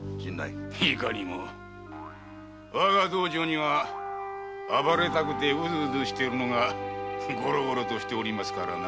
わが道場には暴れたくてウズウズしておるのがゴロゴロとしておりますからな。